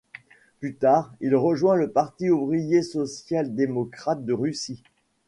Plus tard, il rejoint le Parti ouvrier social-démocrate de Russie.